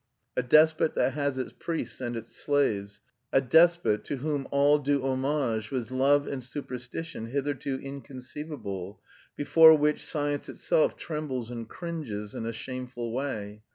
A despot that has its priests and its slaves, a despot to whom all do homage with love and superstition hitherto inconceivable, before which science itself trembles and cringes in a shameful way.